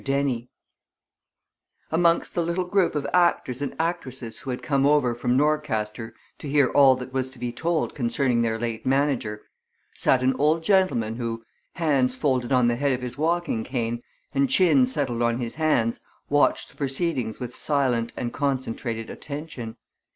DENNIE Amongst the little group of actors and actresses who had come over from Norcaster to hear all that was to be told concerning their late manager, sat an old gentleman who, hands folded on the head of his walking cane, and chin settled on his hands, watched the proceedings with silent and concentrated attention.